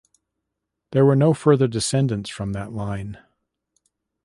There were no further descendants from that line.